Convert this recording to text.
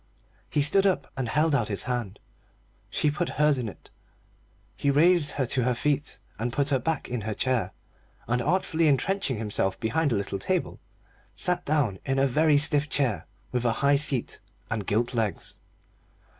He stood up and held out his hand. She put hers in it, he raised her to her feet and put her back in her chair, and artfully entrenching himself behind a little table, sat down in a very stiff chair with a high seat and gilt legs.